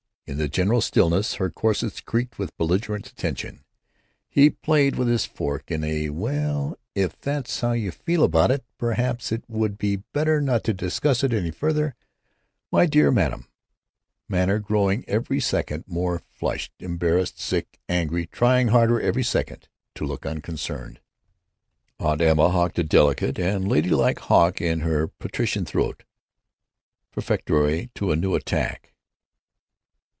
In the general stillness her corsets creaked with belligerent attention. He played with his fork in a "Well, if that's how you feel about it, perhaps it would be better not to discuss it any further, my dear madam," manner, growing every second more flushed, embarrassed, sick, angry; trying harder every second to look unconcerned. Aunt Emma hawked a delicate and ladylike hawk in her patrician throat, prefatory to a new attack.